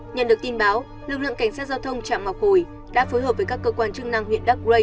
nhận được tin báo lực lượng cảnh sát giao thông trạm ngọc hồi đã phối hợp với các cơ quan chức năng huyện dark gray